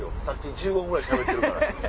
１５分ぐらいしゃべってるから。